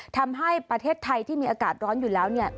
ทำให้ประเทศไทยที่มีอากาศร้อนอยู่แล้ว